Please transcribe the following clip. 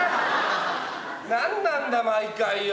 何なんだ毎回よ！